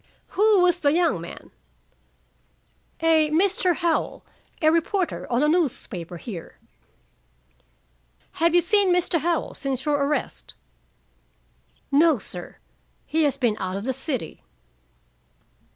"Who was the young man?" "A Mr. Howell, a reporter on a newspaper here." "Have you seen Mr. Howell since your arrest?" "No, sir. He has been out of the city."